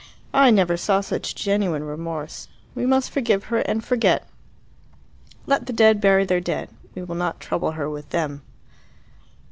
I never saw such genuine remorse. We must forgive her and forget. Let the dead bury their dead. We will not trouble her with them."